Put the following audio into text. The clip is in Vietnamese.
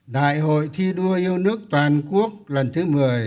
đại hội thi đua yêu nước toàn quốc lần thứ một mươi